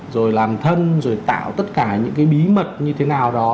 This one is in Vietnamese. rồi làm thân rồi tạo tất cả những cái bí mật như thế nào đó